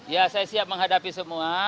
ya saya siap menghadapi semua